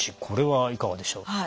これはいかがでしょう？